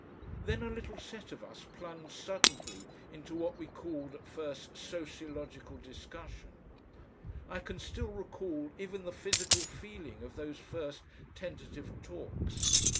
Then a little set of us plunged suddenly into what we called at first sociological discussion. I can still recall even the physical feeling of those first tentative talks.